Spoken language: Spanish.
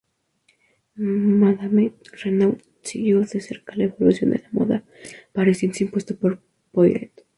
Madame Renaud siguió de cerca la evolución de la moda parisiense impuesta por Poiret.